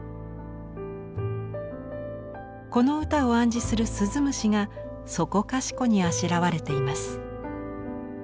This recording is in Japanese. この歌を暗示する鈴虫がそこかしこにあしらわれています。